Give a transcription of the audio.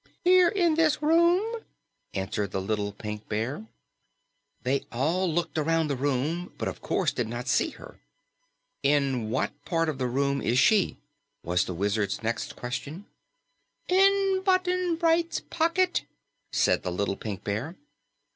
"Here in this room," answered the little Pink Bear. They all looked around the room, but of course did not see her. "In what part of the room is she?" was the Wizard's next question. "In Button Bright's pocket," said the little Pink Bear.